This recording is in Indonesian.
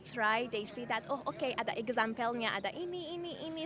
mereka melihat oh oke ada contohnya ada ini ini ini